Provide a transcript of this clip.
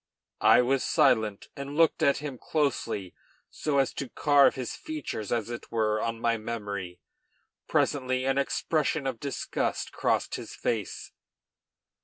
I was silent, and looked at him closely so as to carve his features, as it were, on my memory. Presently an expression of disgust crossed his face.